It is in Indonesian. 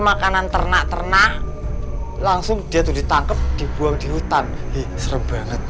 makanan ternak ternak langsung dia tuh ditangkep dibuang di hutan serem banget